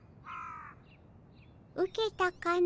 ウケたかの？